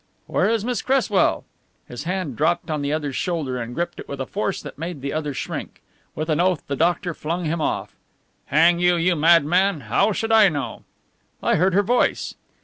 "Where is Miss Cresswell?" His hand dropped on the other's shoulder and gripped it with a force that made the other shrink. With an oath the doctor flung him off. "Hang you, you madman! How should I know?" "I heard her voice."